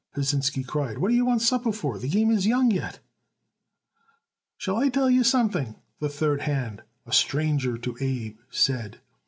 Pasinsky cried. "What do you want supper for? The game is young yet." "Shall I tell you something?" the third hand a stranger to Abe said.